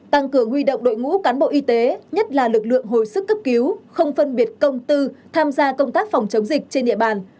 tăng cường huy động đội ngũ cán bộ y tế nhất là lực lượng hồi sức cấp cứu không phân biệt công tư tham gia công tác phòng chống dịch trên địa bàn